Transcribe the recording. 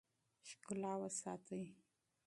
ښکلا وستایئ.